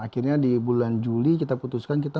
akhirnya di bulan juli kita putuskan kita